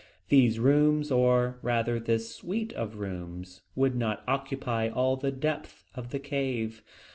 These rooms, or rather this suite of rooms, would not occupy all the depth of the cave.